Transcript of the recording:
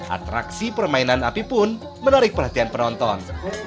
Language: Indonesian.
atraksi permainan api pun menarik perhatian penonton